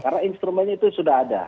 karena instrumennya itu sudah ada